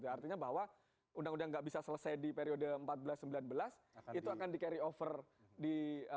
artinya bahwa undang undang yang tidak bisa selesai di periode empat belas sembilan belas itu akan di carryover di sembilan belas dua puluh empat